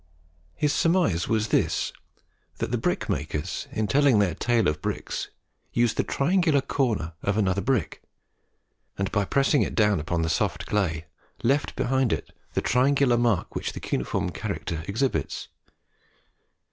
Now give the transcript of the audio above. His surmise was this: that the brickmakers, in telling their tale of bricks, used the triangular corner of another brick, and by pressing it down upon the soft clay, left behind it the triangular mark which the cuneiform character exhibits.